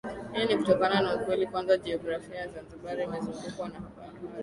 Hii ni kutokana na ukweli kwamba jiografia ya Zanzibar imezungukwa na bahari